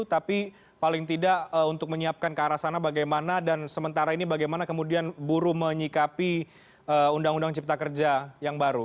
tapi paling tidak untuk menyiapkan ke arah sana bagaimana dan sementara ini bagaimana kemudian buruh menyikapi undang undang cipta kerja yang baru